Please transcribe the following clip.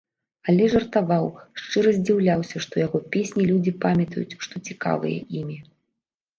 Алесь жартаваў, шчыра здзіўляўся, што яго песні людзі памятаюць, што цікавыя імі.